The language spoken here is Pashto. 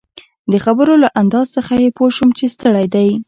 د خبرو له انداز څخه يې پوه شوم چي ستړی دی.